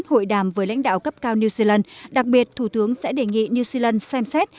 hội đàm với lãnh đạo cấp cao new zealand đặc biệt thủ tướng sẽ đề nghị new zealand xem xét